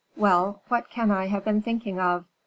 Well, what can I have been thinking of?